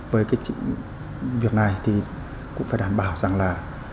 với cái việc này thì cũng phải đảm bảo rằng là